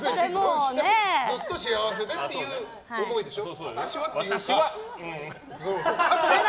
ずっと幸せっていう思いでしょ。